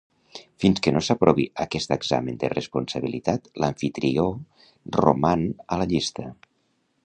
Fins que no s'aprovi aquest examen de responsabilitat, l'amfitrió roman a la llista.